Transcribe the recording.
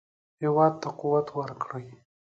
هېواد ته قوت ورکړئ